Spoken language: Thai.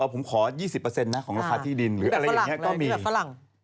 จะบอกว่าผมขอยี่สิบเปอร์เซ็นต์ของราคาที่ดินหรือเมียก็มีฝรั่งอ่า